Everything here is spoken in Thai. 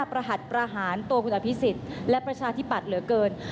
ประหัสประหารตัวคุณอภิษฎและประชาธิปัตย์เหลือเกิน